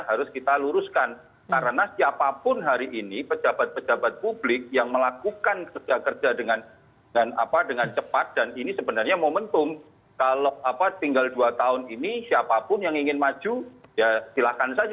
tapi kita harus jeda terlebih dahulu jangan kemana mana